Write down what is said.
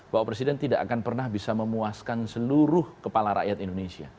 bahwa presiden tidak akan pernah bisa memuaskan seluruh kepala rakyat indonesia